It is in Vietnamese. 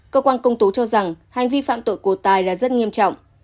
cơ quan công tố cho rằng hành vi phạm tội của tài là rất nghiêm trọng